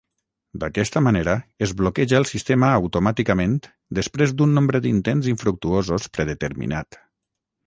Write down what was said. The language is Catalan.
D'aquesta manera es bloqueja el sistema automàticament després d'un nombre d'intents infructuosos predeterminat.